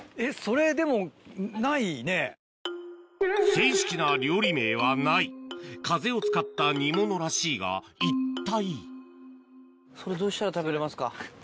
正式な料理名はないカゼを使った煮物らしいが一体？